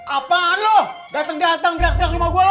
apaan lo dateng dateng direct direct rumah gua lo